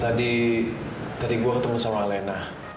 tadi tadi gue ketemu sama elena